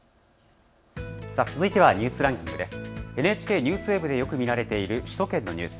続いてはニュースランキングです。